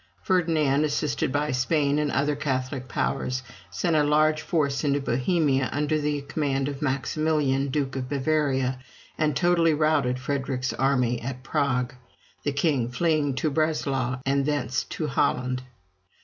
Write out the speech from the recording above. Ferdinand, assisted by Spain and other Catholic powers, sent a large force into Bohemia, under the command of Maximilian, Duke of Bavaria, and totally routed Frederick's army at Prague, the king fleeing to Breslau, and thence to Holland.